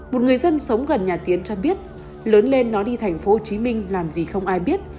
một người dân sống gần nhà tiến cho biết lớn lên nó đi tp hcm làm gì không ai biết